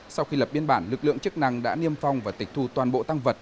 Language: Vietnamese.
sau khi lập biên bản lực lượng chức năng đã niêm phong và tịch thu toàn bộ tăng vật